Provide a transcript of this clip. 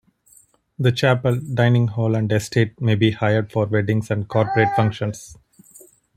The chapel, dining hall and estate may be hired for weddings and corporate functions.